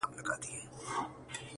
بې عقل دونه په بل نه کوي، لکه په ځان.